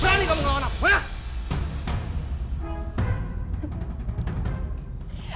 berani kamu ngaw rapur aku